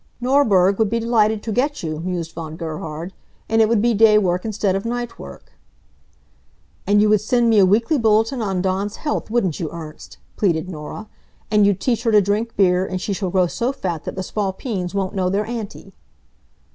"Norberg would be delighted to get you," mused Von Gerhard, "and it would be day work instead of night work." "And you would send me a weekly bulletin on Dawn's health, wouldn't you, Ernst?" pleaded Norah. "And you'd teach her to drink beer and she shall grow so fat that the Spalpeens won't know their auntie."